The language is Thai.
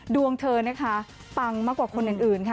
ดวงเธอนะคะปังมากกว่าคนอื่นค่ะ